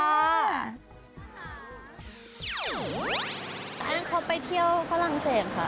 อันนั้นเขาไปเที่ยวฝรั่งเศสค่ะ